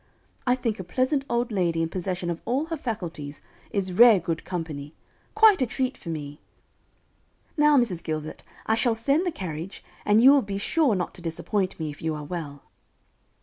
I think a pleasant old lady, in possession of all her faculties, is rare good company quite a treat for me. Now, Mrs. Gilbert, I shall send the carriage, and you will be sure not to disappoint me, if you are well."